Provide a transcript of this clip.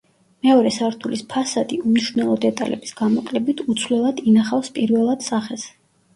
მეორე სართულის ფასადი უმნიშვნელო დეტალების გამოკლებით, უცვლელად ინახავს პირველად სახეს.